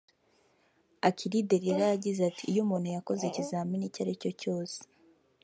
Akili Delyla yagize ati “Iyo umuntu yakoze ikizamini icyo aricyo cyose